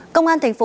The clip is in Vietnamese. công an tp huế